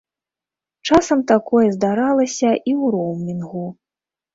Часам такое здаралася і ў роўмінгу.